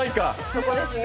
そこですね。